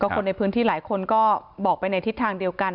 คนในพื้นที่หลายคนก็บอกไปในทิศทางเดียวกัน